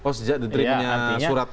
oh sejak diterimanya surat